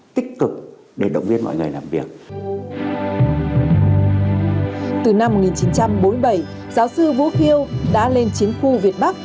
từ năm một nghìn chín trăm bốn mươi bảy giáo sư vũ khiêu đã lên chiến khu việt bắc